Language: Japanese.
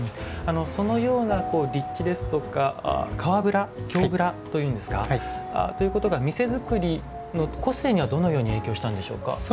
そのような立地ですとか「河ブラ」「京ブラ」というんですかということが店作りの個性にはどのように影響したんでしょうか？